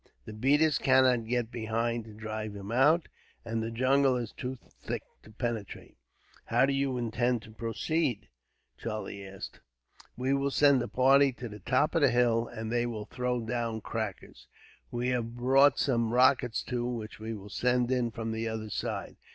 The beaters cannot get behind to drive him out, and the jungle is too thick to penetrate." "How do you intend to proceed?" Charlie asked. "We will send a party to the top of the hill, and they will throw down crackers. We have brought some rockets, too, which we will send in from the other side.